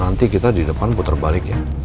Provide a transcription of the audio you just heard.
nanti kita di depan putar balik ya